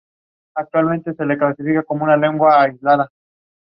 Upon arriving in the area, "Vella Gulf" intercepted a skiff with seven men aboard.